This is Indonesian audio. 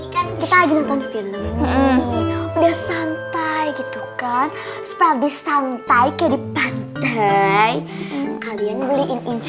kita lagi nonton film udah santai gitu kan supra di santai kayak di pantai kalian beliin